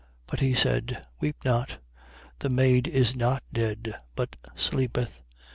But he said: Weep not. The maid is not dead, but sleepeth.